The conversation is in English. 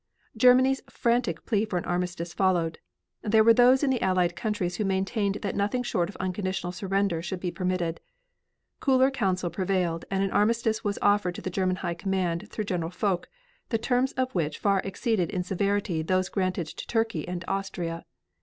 Germany's frantic plea for an armistice followed. There were those in the Allied countries who maintained that nothing short of unconditional surrender should be permitted. Cooler counsel prevailed, and an armistice was offered to the German High Command through General Foch, the terms of which far exceeded in severity those granted to Turkey and Austria.